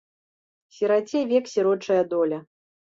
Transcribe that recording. Сіраце век сірочая доля.